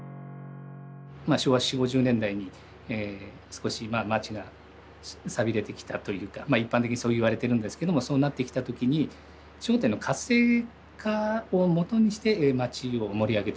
まあ昭和４０５０年代に少し町が寂れてきたというか一般的にそう言われているんですけどもそうなってきたときに商店の活性化をもとにして町を盛り上げていこうと。